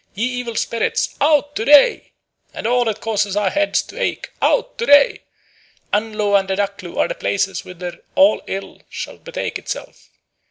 Ye evil spirits, out to day! and all that causes our heads to ache, out to day! Anlo and Adaklu are the places whither all ill shall betake itself!"